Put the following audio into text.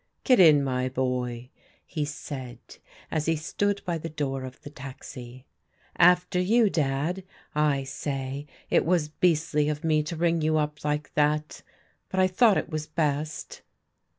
" Get in, my boy," he said as he stood by the door of the taxi. " After you, Dad. I say it was beastly of me to ring you up like that, but I thought it was best."